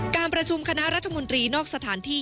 การประชุมคณะรัฐมนตรีนอกสถานที่